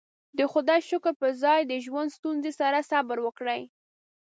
د خدايې شکر پر ځای د ژوند ستونزې سره صبر وکړئ.